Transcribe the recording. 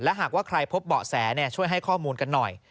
หากว่าใครพบเบาะแสช่วยให้ข้อมูลกันหน่อย